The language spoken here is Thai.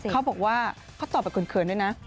เขาบอกว่าเขาตอบแบบเขินด้วยนะ